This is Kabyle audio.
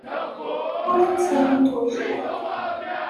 Ur ttilint wejdent.